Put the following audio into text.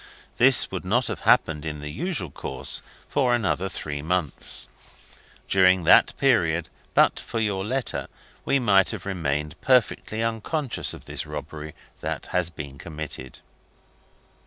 This would not have happened, in the usual course, for another three months. During that period, but for your letter, we might have remained perfectly unconscious of the robbery that has been committed.